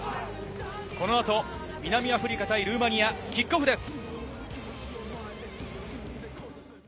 このあと南アフリカ対ルーマニア、キックオフです。